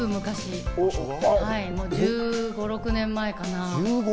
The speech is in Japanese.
もう１５１６年前かな？